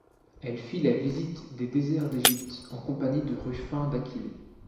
Elle fit la visite des déserts d'Égypte en compagnie de Rufin d'Aquilée.